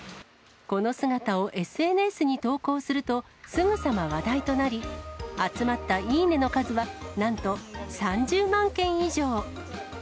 この姿をＳＮＳに投稿すると、すぐさま話題となり、集まったいいねの数は、なんと３０万件以上。